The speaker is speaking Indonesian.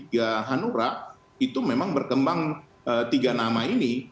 ya hanura itu memang berkembang tiga nama ini